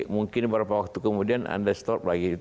mungkin beberapa waktu kemudian anda stop lagi